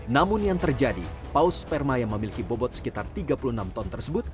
namun yang terjadi paus sperma yang memiliki bobot sekitar tiga puluh enam ton tersebut